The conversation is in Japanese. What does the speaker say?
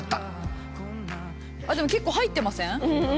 結構入ってません？」